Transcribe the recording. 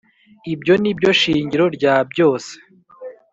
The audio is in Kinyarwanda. ibyo ni byo shingiro rya byose